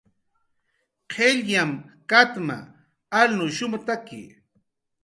qillyam katma, alnushumtaki